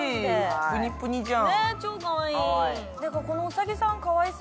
プニプニじゃん。